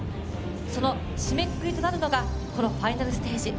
その締めくくりとなるのがこのファイナルステージ。